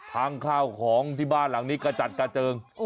ข้าวของที่บ้านหลังนี้กระจัดกระเจิง